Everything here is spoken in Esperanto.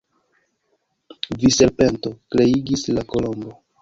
"Vi serpento!" kriegis la Kolombo.